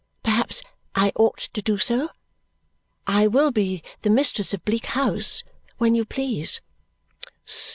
Perhaps I ought to do so. I will be the mistress of Bleak House when you please."